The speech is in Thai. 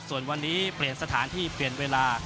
ส่วนวันนี้เปลี่ยนสถานที่เปลี่ยนเวลา